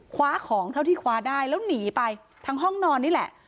คว้าของเท่าที่คว้าได้แล้วหนีไปทางห้องนอนนี่แหละ